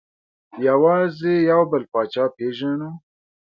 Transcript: یوازې یو بل پاچا پېژنو.